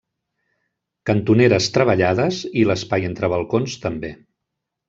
Cantoneres treballades i l'espai entre balcons també.